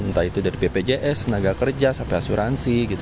entah itu dari bpjs tenaga kerja sampai asuransi gitu